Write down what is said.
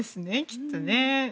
きっとね。